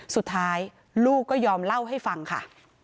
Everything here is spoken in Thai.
สุดท้ายลูกก็ยอมเล่าให้ฟังค่ะ